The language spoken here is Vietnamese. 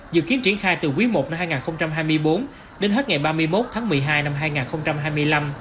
dự kiến triển khai từ quý i năm hai nghìn hai mươi bốn đến hết ngày ba mươi một tháng một mươi hai năm hai nghìn hai mươi năm